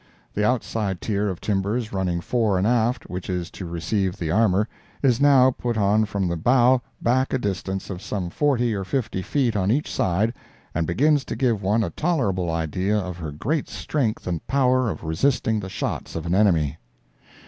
The outside tier of timbers running fore and aft, which is to receive the armor, is now put on from the bow back a distance of some forty or fifty feet on each side, and begins to give one a tolerable idea of her great strength and power of resisting the shots of an enemy.